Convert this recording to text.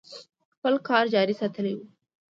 خپل کار جاري ساتلی و.